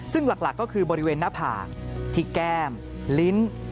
ซึ่งหลักก็คือบริเวณหน้าผากที่แก้มลิ้น